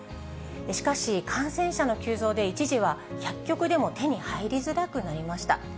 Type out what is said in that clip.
しかし、感染者の急増で、一時は薬局でも手に入りづらくなりました。